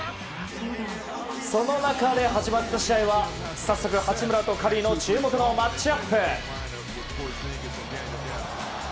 その中で始まった試合は早速、八村とカリーの注目のマッチアップ。